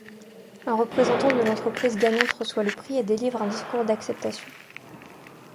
Un représentant de l’entreprise gagnante reçoit le prix et délivre un discours d’accePtation.